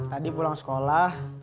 tadi pulang sekolah